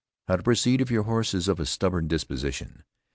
HOW TO PROCEED IF YOUR HORSE IS OF A STUBBORN DISPOSITION.